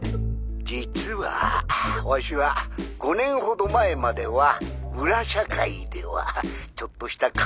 ☎実はわしは５年ほど前までは裏社会ではちょっとした顔役だったんじゃ。